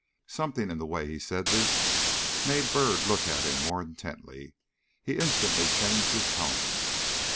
Something in the way he said this made Byrd look at him more intently. He instantly changed his tone.